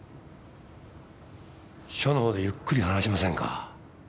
署のほうでゆっくり話しませんか？